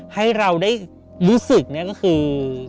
ให้เราได้รู้สึกก็คือ